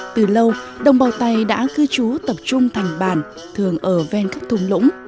từ lâu đồng bào tày đã cư trú tập trung thành bản thường ở ven các thùng lũng